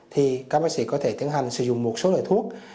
thì các bác sĩ có thể tiến hành sử dụng một số loại thuốc